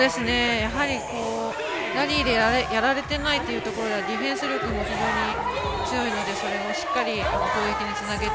やはり、ラリーでやられてないというところでディフェンス力も非常に強いのでそれもしっかり攻撃につなげて。